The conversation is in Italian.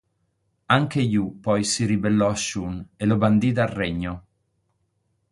Anche Yu poi si ribellò a Shun e lo bandì dal regno.